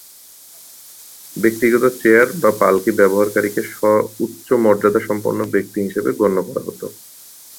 ব্যক্তিগত চেয়ার বা পালকি ব্যবহারকারীকে উচ্চ মর্যাদাসম্পন্ন ব্যক্তি হিসেবে গণ্য করা হতো।